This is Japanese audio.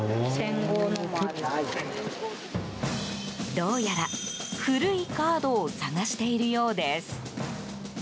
どうやら、古いカードを探しているようです。